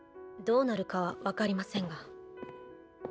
どうなるかは分かりませんが。